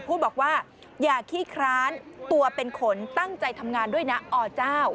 พูดบอกว่าอย่าขี้คร้านตัวเป็นขนตั้งใจทำงานด้วยนะอเจ้า